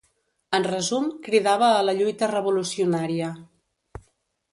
En resum, cridava a la lluita revolucionària.